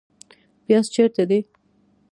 پیاز چیرته دي؟